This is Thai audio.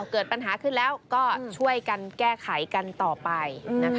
เกิดปัญหาขึ้นแล้วก็ช่วยกันแก้ไขกันต่อไป